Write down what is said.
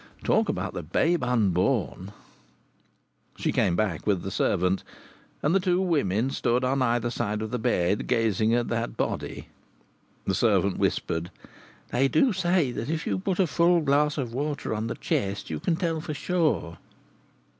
Talk about the babe unborn! She came back with the servant, and the two women stood on either side of the bed, gazing at that body. The servant whispered: "They do say that if you put a full glass of water on the chest you can tell for sure."